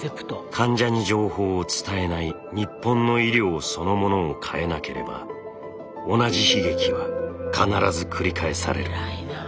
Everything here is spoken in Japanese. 患者に情報を伝えない日本の医療そのものを変えなければ同じ悲劇は必ず繰り返される。